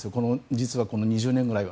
実は、この２０年ぐらいは。